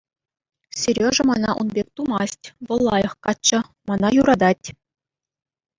Сережа мана ун пек тумасть, вӑл лайӑх каччӑ, мана юратать.